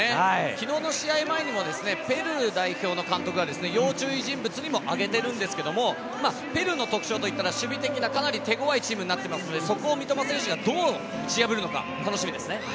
昨日の試合前にもペルー代表の監督が要注意人物にも挙げているんですけどもペルーの特徴といったら、守備てきなかなり手ごわいチームになってますのでそこを三笘選手がどう打ち破るのか、楽しみですね。